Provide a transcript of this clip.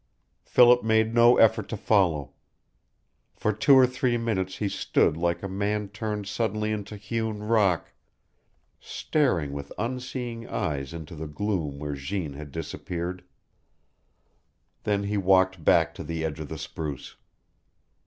Philip made no effort to follow. For two or three minutes he stood like a man turned suddenly into hewn rock, staring with unseeing eyes into the gloom where Jeanne had disappeared. Then he walked back to the edge of the spruce.